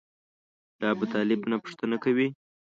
له ابوطالب نه پوښتنه کوي.